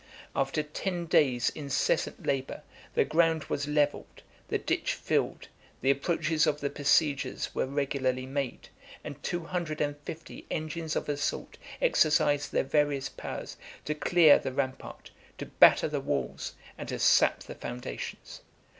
66 After ten days' incessant labor, the ground was levelled, the ditch filled, the approaches of the besiegers were regularly made, and two hundred and fifty engines of assault exercised their various powers to clear the rampart, to batter the walls, and to sap the foundations.